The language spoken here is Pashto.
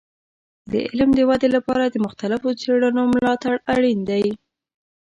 د علم د ودې لپاره د مختلفو څیړنو ملاتړ اړین دی.